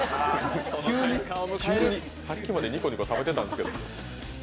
さっきまでニコニコ食べてたんですけど。